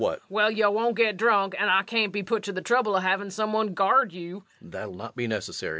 Well, you won't get drunk, and I can't be put to the trouble o' havin' somebody guard you. REVENUE. That'll not be necessary.